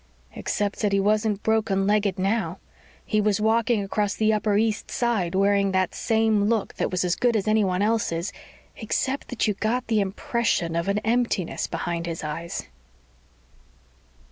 Except that he wasn't broken legged now. He was walking across the Upper East Side, wearing that same look that was as good as anyone else's, except that you got the impression of an emptiness behind his eyes.